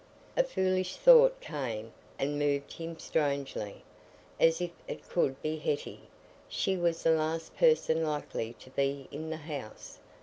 A foolish thought came, and moved him strangely. As if it could be Hetty! She was the last person likely to be in the house.